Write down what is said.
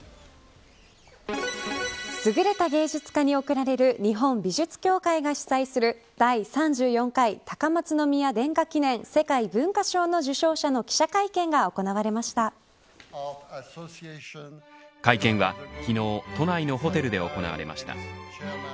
優れた芸術家に贈られる日本美術協会が主催する第３４回高松宮殿下記念世界文化賞の受賞者の会見は昨日都内のホテルで行われました。